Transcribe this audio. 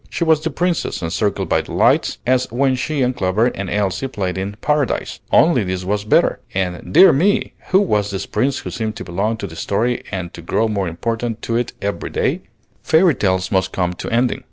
She was the Princess, encircled by delights, as when she and Clover and Elsie played in "Paradise," only, this was better; and, dear me! who was this Prince who seemed to belong to the story and to grow more important to it every day? Fairy tales must come to ending.